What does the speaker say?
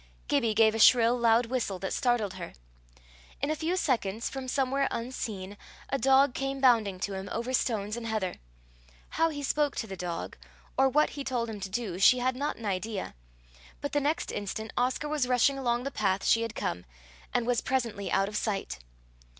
Gibbie gave a shrill loud whistle that startled her. In a few seconds, from somewhere unseen, a dog came bounding to him over stones and heather. How he spoke to the dog, or what he told him to do, she had not an idea; but the next instant Oscar was rushing along the path she had come, and was presently out of sight.